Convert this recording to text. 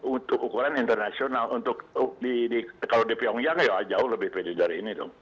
untuk ukuran internasional untuk kalau di pyongyang ya jauh lebih pede dari ini dong